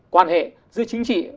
quan hệ giữa chính trị